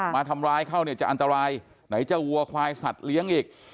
มาทำร้ายเขาเนี่ยจะอันตรายไหนจะวัวควายสัตว์เลี้ยงอีก